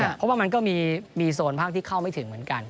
เพราะว่ามันก็มีโซนภาคที่เข้าไม่ถึงเหมือนกัน